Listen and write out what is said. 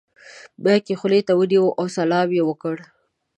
مایک یې خولې ته ونیو او سلام یې وکړ.